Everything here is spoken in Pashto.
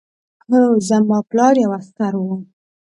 هو زما پلار یو عسکر و